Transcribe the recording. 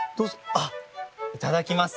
あっいただきます。